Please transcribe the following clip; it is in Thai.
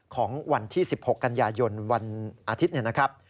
ของวันที่๑๖กันยายนวันอาทิตย์เนี่ยนะครับ